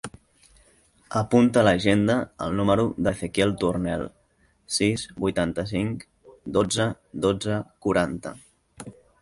Apunta a l'agenda el número de l'Ezequiel Tornel: sis, vuitanta-cinc, dotze, dotze, quaranta.